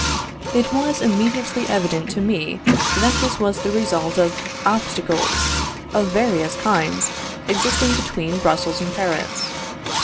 It was immediately evident to me that this was the result of obstacles of various kinds existing between Brussels and Paris.